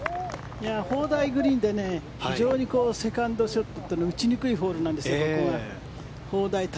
砲台グリーンで非常にセカンドショットが打ちにくいホールなんですここは。